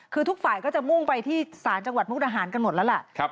คือทุกฝ่ายก็จะมุ่งไปที่ศาลจังหวัดมุกดาหารกันหมดแล้วล่ะ